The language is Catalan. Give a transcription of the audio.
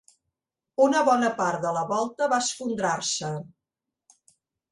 Una bona part de la volta va esfondrar-se.